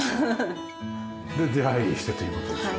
で出入りしてという事ですよね。